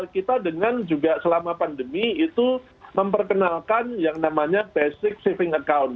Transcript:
kita dengan juga selama pandemi itu memperkenalkan yang namanya basic saving account